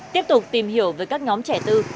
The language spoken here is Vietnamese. tiếp tục tìm hiểu với các nhóm trẻ tư